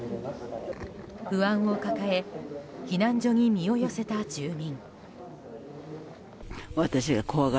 不安を抱え避難所に身を寄せた住民。